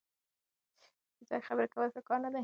بې ځایه خبرې کول ښه کار نه دی.